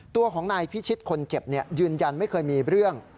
ตัวของนายพิชิตคนเจ็บยืนยันไม่เคยมีเรื่อง